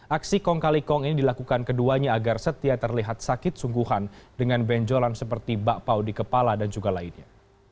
aksi kong kali kong ini dilakukan keduanya agar setia terlihat sakit sungguhan dengan benjolan seperti bakpao di kepala dan juga lainnya